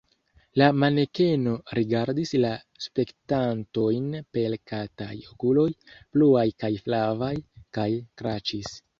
La manekeno rigardis la spektantojn per kataj okuloj, bluaj kaj flavaj, kaj kraĉis.